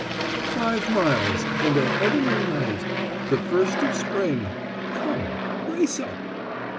"Five miles and a heavenly night. The first of spring. Come, brace up."